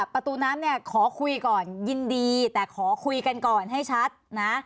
ประตูน้ำเนี่ยขอคุยก่อนยินดีแต่ขอคุยกันก่อนให้ชัดนะ